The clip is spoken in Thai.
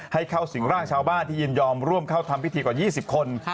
ให้เข้าสิ่งร่างชาวบ้านที่ยินยอมร่วมเข้าทำพิธีกว่า๒๐คน